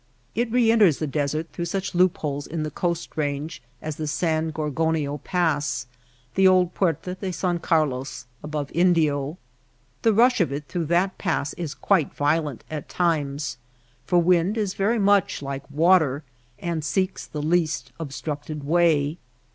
It re enters the desert through such loop holes in the Coast Range as the San Gorgonio Pass — the old Puerta de San Carlos — above Indio. The rush of it through that pass is quite vio lent at times. For wind is very much like water and seeks the least obstructed way.